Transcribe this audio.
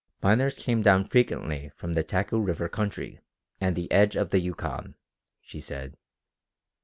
Miners came down frequently from the Taku River country and the edge of the Yukon, she said.